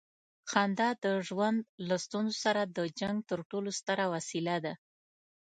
خندا د ژوند له ستونزو سره د جنګ تر ټولو ستره وسیله ده.